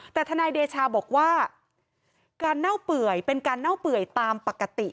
แต่ทนายเดชาบอกว่าการเน่าเปื่อยเป็นการเน่าเปื่อยตามปกติ